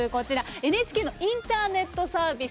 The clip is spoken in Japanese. ＮＨＫのインターネットサービス